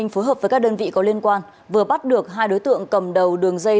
phối hợp với các đơn vị có liên quan vừa bắt được hai đối tượng cầm đầu đường dây